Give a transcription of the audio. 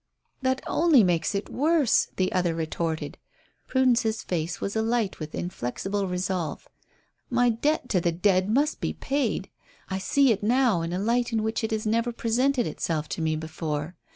"That only makes it worse," the other retorted. Prudence's face was alight with inflexible resolve. "My debt to the dead must be paid. I see it now in a light in which it has never presented itself to me before.